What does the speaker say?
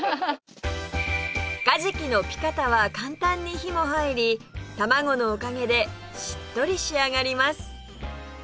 かじきのピカタは簡単に火も入り卵のおかげでしっとり仕上がります